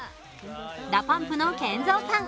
ＤＡＰＵＭＰのＫＥＮＺＯさん。